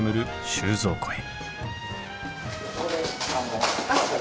収蔵庫へ。